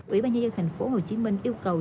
ủy ban nhân dân tp hcm yêu cầu sở công thương tp hcm